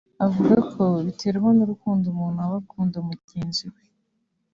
uvuga ko biterwa n’urukundo umuntu aba akunda mugenzi we